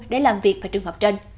để làm việc vào trường hợp trên